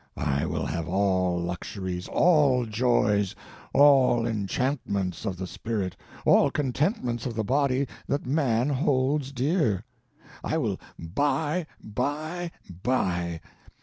I will have all luxuries, all joys, all enchantments of the spirit, all contentments of the body that man holds dear. I will buy, buy, buy!